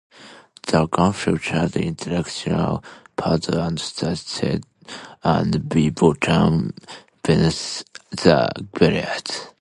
The gun features a directional pad and Start and B buttons beneath the barrel.